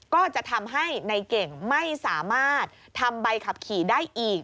ก็จะทำให้ในเก่งไม่สามารถทำใบขับขี่ได้อีก